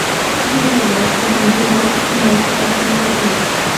زه هره ورځ په همدې لار کونړ ته ځم راځم